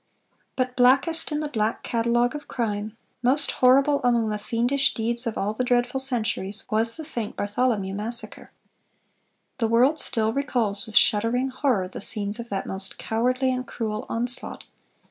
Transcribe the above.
(397) But blackest in the black catalogue of crime, most horrible among the fiendish deeds of all the dreadful centuries, was the St. Bartholomew Massacre. The world still recalls with shuddering horror the scenes of that most cowardly and cruel onslaught.